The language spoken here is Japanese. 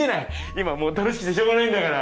今もう楽しくてしようがないんだから。